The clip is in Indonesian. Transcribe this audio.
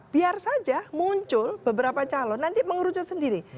biar saja muncul beberapa calon nanti mengerucut sendiri